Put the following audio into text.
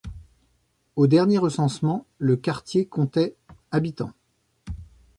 Au dernier recensement, le quartier comptait habitants.